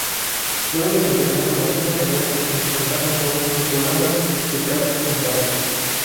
Luego desempeñaron la misma tarea en "Fontana Show", el programa de Cacho Fontana.